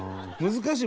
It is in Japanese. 難しい。